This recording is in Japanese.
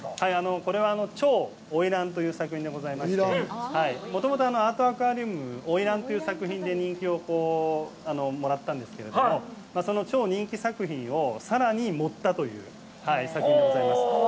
これは「超・花魁」という作品でございまして、もともとアートアクアリウムは「花魁」という作品で人気をもらったんですけれども、その超人気作品をさらに盛ったという作品でございます。